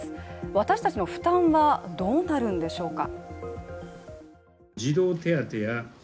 私たちの負担はどうなるんでしょうか。